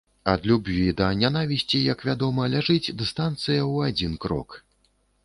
Ад любові да нянавісці, як вядома, ляжыць дыстанцыя ў адзін крок.